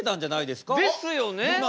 ですよね。